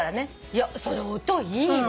いやそれ音いいわ。